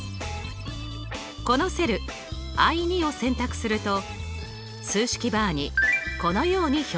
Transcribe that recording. このセルＩ２を選択すると数式バーにこのように表示されます。